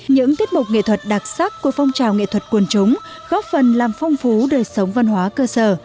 những tiết mục nghệ thuật đặc sắc của phong trào nghệ thuật quần chúng góp phần làm phong phú đời sống văn hóa cơ sở